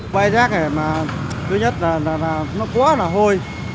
quay rác này mà thứ nhất là nó quá là hôi